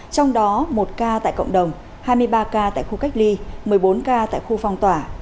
trong đó một ca tại cộng đồng hai mươi ba ca tại khu cách ly một mươi bốn ca tại khu phong tỏa